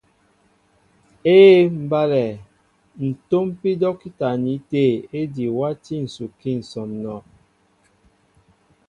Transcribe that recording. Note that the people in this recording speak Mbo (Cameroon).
Éē mbálɛ, ǹ tómpí dɔ́kita ní tê ejí e wátí ǹsukí ǹsɔǹɔ.